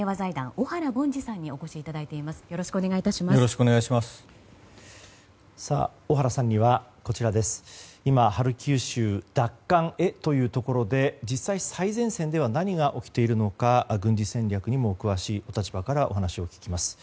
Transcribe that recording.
小原さんには今ハルキウ州奪還へということで実際、最前線では何が起きているのか軍事戦略にも詳しいお立場からお話を聞きます。